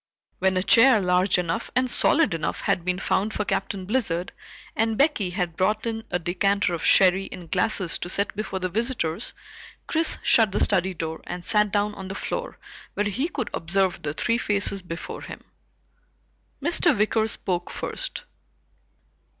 When a chair large enough and solid enough had been found for Captain Blizzard, and Becky had brought in a decanter of sherry and glasses to set before the visitors, Chris shut the study door and sat down on the floor where he could observe the three faces before him. Mr. Wicker spoke first.